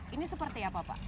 ini seperti apa pak